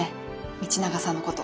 道永さんのこと。